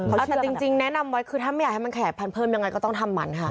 แต่จริงแนะนำไว้คือถ้าไม่อยากให้มันแขกพันธเพิ่มยังไงก็ต้องทำมันค่ะ